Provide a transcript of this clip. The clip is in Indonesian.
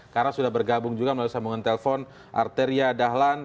karena sudah bergabung juga melalui sambungan telpon arteria dahlan